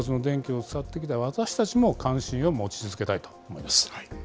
原発の電気を使ってきた私たちも関心を持ち続けたいと思います。